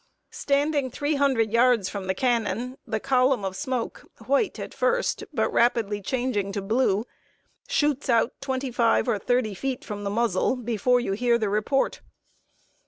Standing three hundred yards from the cannon, the column of smoke, white at first, but rapidly changing to blue, shoots out twenty five or thirty feet from the muzzle before you hear the report.